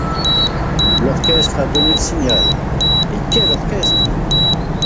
L’orchestre a donné le signal, et quel orchestre !